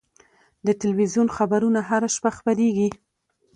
د تلویزیون خبرونه هره شپه خپرېږي.